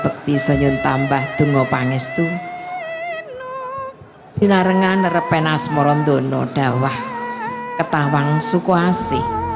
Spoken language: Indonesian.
bekti senyum tambah tunggu pangis tuh sinar ngan repenas merondono dawah ketawang suku asih